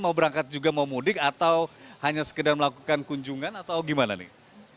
mau berangkat juga mau mudik atau hanya sekedar melakukan kunjungan atau gimana nih